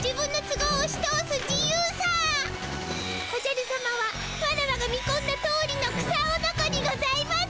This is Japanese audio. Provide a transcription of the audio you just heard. おじゃるさまはワラワが見こんだとおりの草おのこにございます。